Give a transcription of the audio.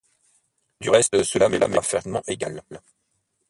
Du reste cela m'est parfaitement égal.